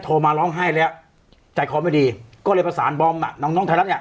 มาร้องไห้แล้วใจคอไม่ดีก็เลยประสานบอมอ่ะน้องน้องไทยรัฐเนี่ย